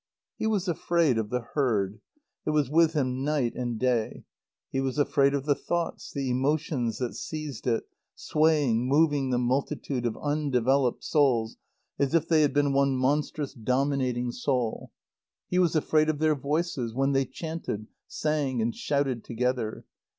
He was afraid of the herd. It was with him night and day. He was afraid of the thoughts, the emotions that seized it, swaying, moving the multitude of undeveloped souls as if they had been one monstrous, dominating soul. He was afraid of their voices, when they chanted, sang and shouted together.